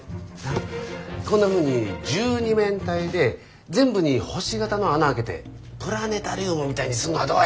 こんなふうに十二面体で全部に星形の孔開けてプラネタリウムみたいにすんのはどうや。